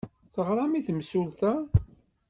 Teɣram i temsulta?